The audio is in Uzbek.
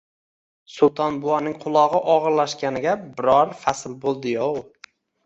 Sulton buvaning qulog`i og`irlashganiga biror fasl bo`ldiyov